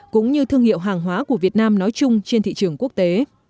cũng như thương hiệu hàng hóa của việt nam nói chung trên thị trường quốc tế